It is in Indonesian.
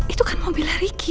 itu kan mobilnya ricky